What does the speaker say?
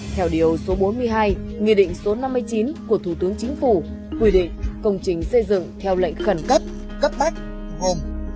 theo điều số bốn mươi hai nghị định số năm mươi chín của thủ tướng chính phủ quy định công trình xây dựng theo lệnh khẩn cấp cấp bách gồm